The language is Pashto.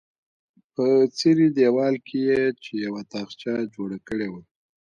په څیرې دیوال کې یې چې یوه تاخچه جوړه کړې وه.